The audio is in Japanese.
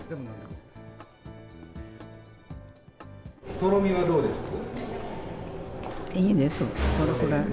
とろみはどうですか？